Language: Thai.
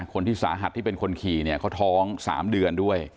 คนที่สาหัสที่เป็นคนขี่เนี่ยเขาท้อง๓เดือนด้วย